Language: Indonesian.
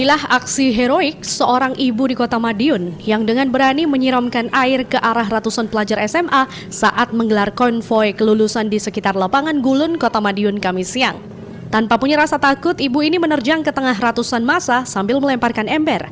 aksi tersebut dilakukan karena warga jengkel dengan suara bising kenal pot sepeda motor